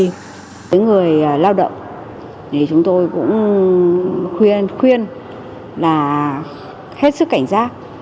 đối với người lao động thì chúng tôi cũng khuyên khuyên là hết sức cảnh giác